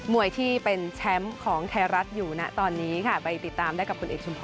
วยที่เป็นแชมป์ของไทยรัฐอยู่นะตอนนี้ค่ะไปติดตามได้กับคุณเอกชุมพร